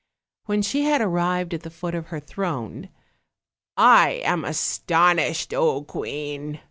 When she had arrived at the foot of her throne: "I am astonished, queen!"